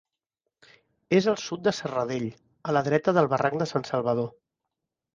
És al sud de Serradell, a la dreta del barranc de Sant Salvador.